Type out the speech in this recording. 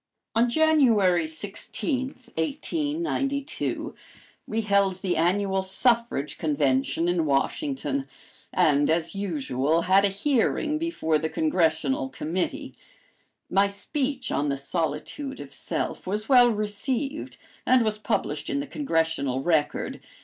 On January 16, 1892, we held the Annual Suffrage Convention in Washington, and, as usual, had a hearing before the Congressional Committee. My speech on the "Solitude of Self" was well received and was published in the Congressional Record.